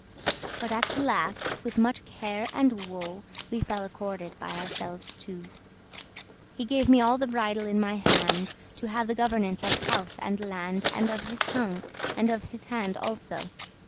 But at the last, with muche care and woe We fell accorded* by ourselves two: *agreed He gave me all the bridle in mine hand To have the governance of house and land, And of his tongue, and of his hand also.